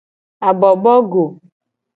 Abobogo.